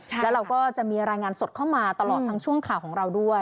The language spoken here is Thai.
แล้วเราก็จะมีรายงานสดเข้ามาตลอดทั้งช่วงข่าวของเราด้วย